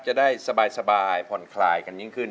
จะได้สบายผ่อนคลายกันยิ่งขึ้น